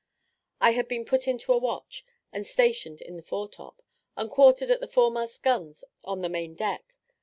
I had been put into a watch, and stationed in the fore top, and quartered at the foremast guns on the main deck.